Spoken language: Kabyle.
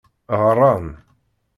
Ɣran.